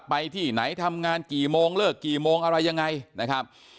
ไปที่ไหนทำงานกี่โมงเลิกกี่โมงอะไรยังไงนะครับ